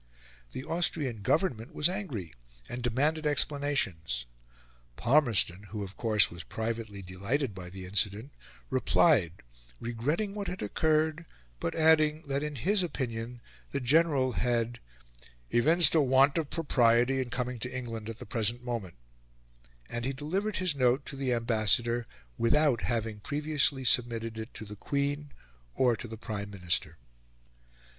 The Austrian Government was angry and demanded explanations. Palmerston, who, of course, was privately delighted by the incident, replied regretting what had occurred, but adding that in his opinion the General had "evinced a want of propriety in coming to England at the present moment;" and he delivered his note to the Ambassador without having previously submitted it to the Queen or to the Prime Minister.